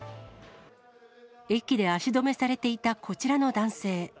駅で足止めされていた、こちらの男性。